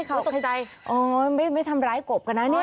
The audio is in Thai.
เขาตกใจอ๋อไม่ทำร้ายกบกันนะเนี่ย